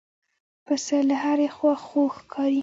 پسه له هرې خوا خوږ ښکاري.